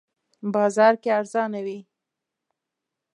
بازار کې ارزانه وی